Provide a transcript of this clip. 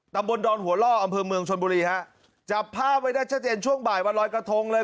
ตำบลดอนหัวล่ออำเภอเมืองชนบุรีฮะจับภาพไว้ได้ชัดเจนช่วงบ่ายวันรอยกระทงเลย